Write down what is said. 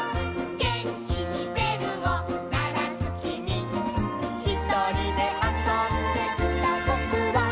「げんきにべるをならすきみ」「ひとりであそんでいたぼくは」